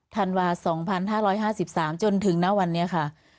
ธันวา๒๕๕๓จนถึงณวันนี้ค่ะ